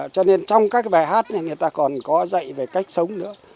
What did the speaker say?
cho nên trong các bài hát này người ta còn có dạy về cách sống nữa